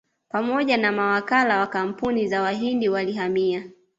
Pamoja na mawakala wa kampuni za Wahindi walihamia